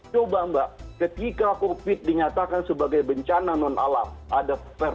coba mbak ketika covid dinyatakan sebagai bencana non alam